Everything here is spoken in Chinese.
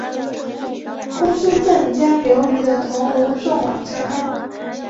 公孙瓒将刘虞的头颅送往长安。